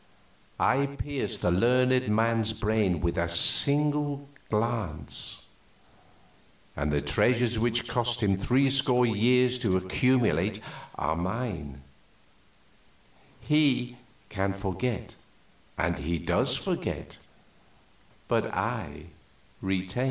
I pierce the learned man's brain with a single glance, and the treasures which cost him threescore years to accumulate are mine; he can forget, and he does forget, but I retain.